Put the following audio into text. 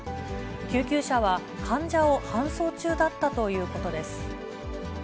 救急車は患者を搬送中だったということです。